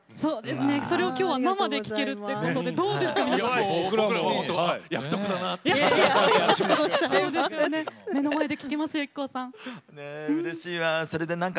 それを今日は生で聴けるということでどうですか？